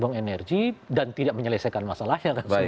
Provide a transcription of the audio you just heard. buang energi dan tidak menyelesaikan masalahnya kan sebenarnya